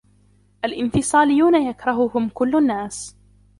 الإنفصاليون يكرههم كل الناس.